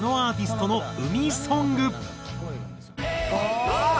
ああー！